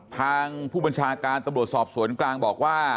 ทางผู้บัญชาการตำรวจสอบสวนกลางบอกว่า